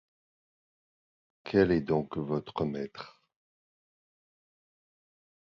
Quel est donc votre maître?